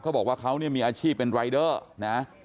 เขาบอกว่าเขาเนี่ยมีอาชีพเป็นรายเดอร์นะ